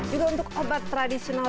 juga untuk obat tradisional